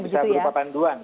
bisa berupa panduan